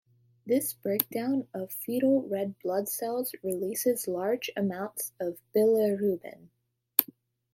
This breakdown of fetal red blood cells releases large amounts of bilirubin.